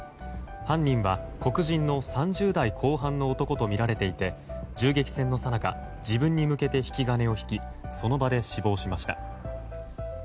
犯人は黒人の３０代後半の男とみられていて銃撃戦のさなか自分に向けて引き金を引きその場で死亡しました。